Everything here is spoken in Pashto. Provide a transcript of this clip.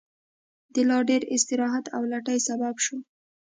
د لا ډېر استراحت او لټۍ سبب شو.